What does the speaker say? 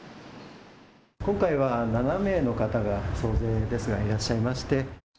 今回は７名の方がいらっしゃいまして。